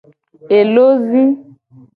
Elo zi.